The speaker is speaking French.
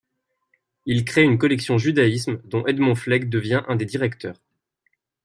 Il crée une collection Judaïsme, dont Edmond Fleg devient un des directeurs.